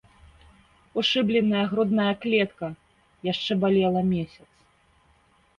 Ушыбленая грудная клетка яшчэ балела месяц.